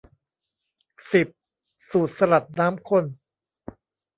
สิบ สูตรสลัดน้ำข้น